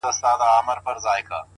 چي ستا تر تورو غټو سترگو اوښكي وڅڅيږي؛